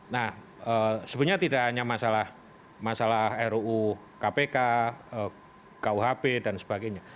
nah sebenarnya tidak hanya masalah ruu kpk kuhp dan sebagainya